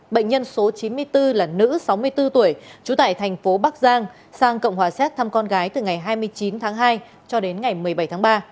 bệnh nhân số chín mươi bốn là nữ sáu mươi bốn tuổi trú tại thành phố bắc giang sang cộng hòa xét thăm con gái từ ngày hai mươi chín tháng hai cho đến ngày một mươi bảy tháng ba